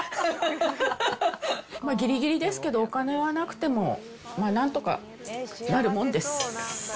ぎりぎりですけど、お金はなくても、なんとかなるもんです。